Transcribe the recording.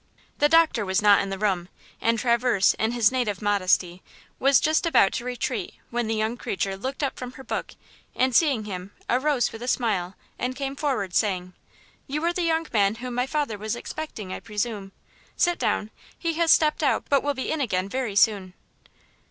The doctor was not in the room, and Traverse, in his native modesty, was just about to retreat when the young creature looked up from her book and, seeing him, arose with a smile and came forwards, saying: "You are the young man whom my father was expecting, I presume. Sit down; he has stepped out, but will be in again very soon."